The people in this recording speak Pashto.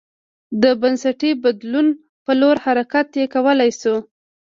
د بنسټي بدلون په لور حرکت یې کولای شو